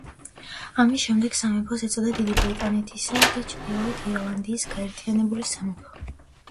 ამის შემდეგ სამეფოს ეწოდა „დიდი ბრიტანეთისა და ჩრდილოეთ ირლანდიის გაერთიანებული სამეფო“.